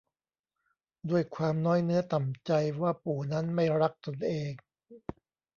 ด้วยความน้อยเนื้อต่ำใจว่าปู่นั้นไม่รักตนเอง